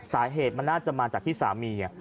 สาเหตุมันน่าจะมาจากที่สามี